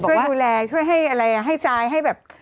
ช่วยดูแลช่วยให้อะไรให้ซ้ายให้แบบ